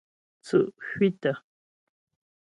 Tsʉ́' kwítə.